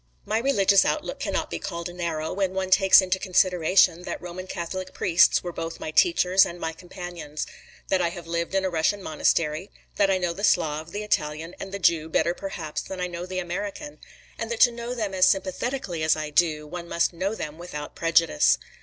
My religious outlook cannot be called narrow, when one takes into consideration that Roman Catholic priests were both my teachers and my companions, that I have lived in a Russian monastery, that I know the Slav, the Italian and the Jew better perhaps than I know the American, and that to know them as sympathetically as I do, one must know them without prejudice.